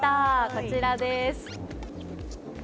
こちらです。